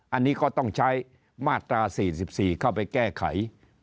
อันนี้ก็ต้องใช้มาตรา๔๔เข้าไปแก้ไข